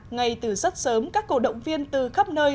ngay từ rất sớm các cổ động viên từ khắp nơi